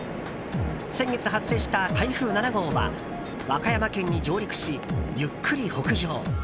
先月発生した台風７号は和歌山県に上陸し、ゆっくり北上。